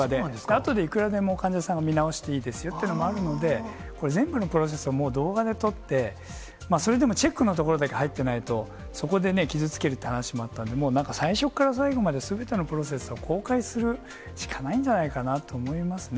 あとでいくらでも患者さんは見直してもいいですよっていうのもあるので、これ、全部のプロセスを動画で撮って、それでもチェックのところだけ入ってないと、そこでね、傷つけるという話もあったので、もうなんか最初から最後まで、すべてのプロセスを公開するしかないんじゃないかなと思いますね。